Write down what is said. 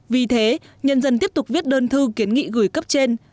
vì thế nhân dân tiếp tục viết đơn thư kiến nghị gửi cấp trên